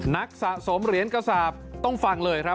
นักสะสมเหรียญกระสาปต้องฟังเลยครับ